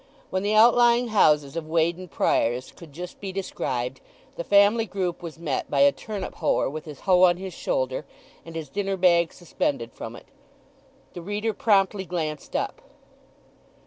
When the outlying houses of Weydon Priors could just be described, the family group was met by a turnip hoer with his hoe on his shoulder, and his dinner bag suspended from it. The reader promptly glanced up.